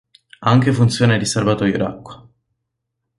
Ha anche funzione di serbatoio d'acqua.